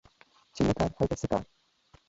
چی نه کار، هلته څه کار